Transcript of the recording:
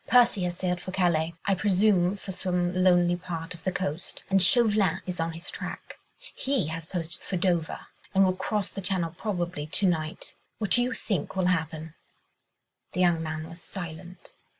Percy has sailed for Calais, I presume for some lonely part of the coast, and Chauvelin is on his track. He has posted for Dover, and will cross the Channel probably to night. What do you think will happen?" The young man was silent.